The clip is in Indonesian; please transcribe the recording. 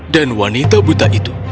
dan wanita buta itu